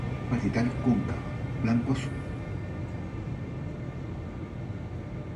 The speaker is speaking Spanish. Área parietal cóncava, blanco-azul, Con dos fuertes dientes en la parte media.